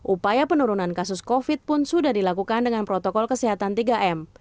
upaya penurunan kasus covid pun sudah dilakukan dengan protokol kesehatan tiga m